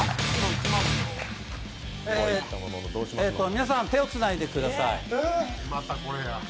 皆さん手をつないでください。